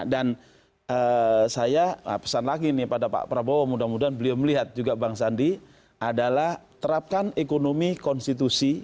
dan saya pesan lagi nih pada pak prabowo mudah mudahan beliau melihat juga bang sandi adalah terapkan ekonomi konstitusi